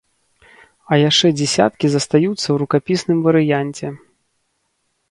А яшчэ дзесяткі застаюцца ў рукапісным варыянце.